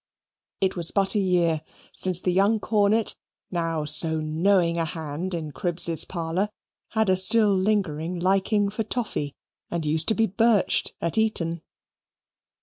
It was but a year since the young Cornet, now so knowing a hand in Cribb's parlour, had a still lingering liking for toffy, and used to be birched at Eton.